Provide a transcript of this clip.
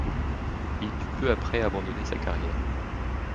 Il dut peu après abandonner sa carrière.